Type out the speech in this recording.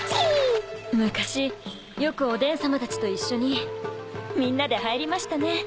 昔よくおでんさまたちと一緒にみんなで入りましたね。